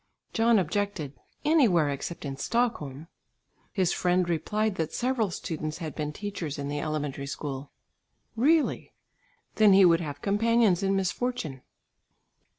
John objected "Anywhere except in Stockholm." His friend replied that several students had been teachers in the elementary school, "Really! then he would have companions in misfortune."